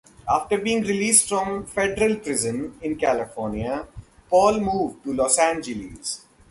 After being released from federal prison in California, Paul moved to Los Angeles.